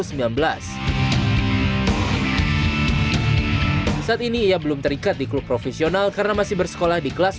saat ini ia belum terikat di klub profesional karena masih bersekolah di kelas tiga